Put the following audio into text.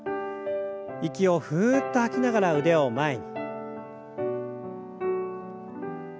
息をふっと吐きながら腕を前に。